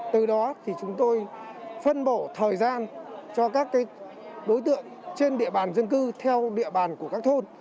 từ đó thì chúng tôi phân bổ thời gian cho các đối tượng trên địa bàn dân cư theo địa bàn của các thôn